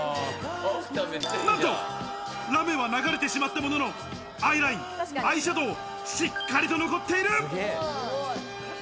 なんと、ラメは流れてしまったものの、アイライン、アイシャドウ、しっかりと残っている！